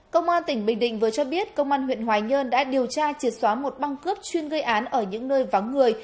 công an tỉnh bình định vừa cho biết công an huyện hoài nhơn đã điều tra triệt xóa một băng cướp chuyên gây án ở những nơi vắng người